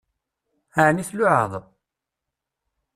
Ɛni tluɛaḍ?